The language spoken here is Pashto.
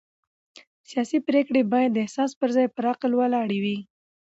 سیاسي پرېکړې باید د احساس پر ځای پر عقل ولاړې وي